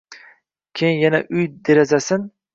Keyin yana uy derazasin